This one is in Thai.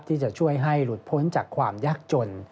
ที่จะช่วยให้หลุดพ้นจากความยากจน